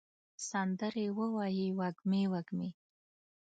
سندرې ووایې وږمې، وږمې